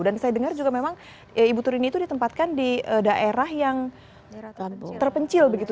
dan saya dengar juga memang ibu turini itu ditempatkan di daerah yang terpencil begitu